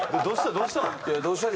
どうしたの？